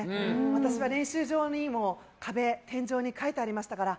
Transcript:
私は練習場の壁にも書いてありましたから